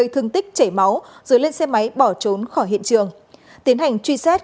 thương tích chảy máu rồi lên xe máy bỏ trốn khỏi hiện trường tiến hành truy xét